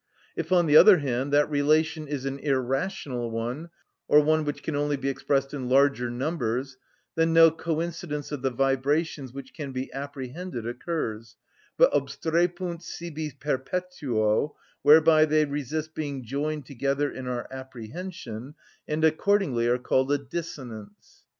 If, on the other hand, that relation is an irrational one, or one which can only be expressed in larger numbers, then no coincidence of the vibrations which can be apprehended occurs, but obstrepunt sibi perpetuo, whereby they resist being joined together in our apprehension, and accordingly are called a dissonance.